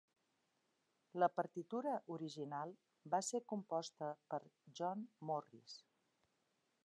La partitura original va ser composta per John Morris.